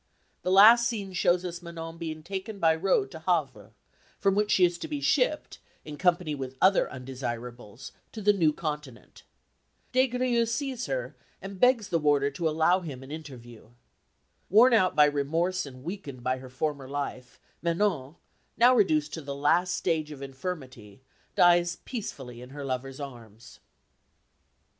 The last scene shows us Manon being taken by road to Havre, from whence she is to be shipped, in company with other undesirables, to the New Continent. Des Grieux sees her, and begs the warder to allow him an interview. Worn out by remorse and weakened by her former life, Manon, now reduced to the last stage of infirmity, dies peacefully in her lover's arms.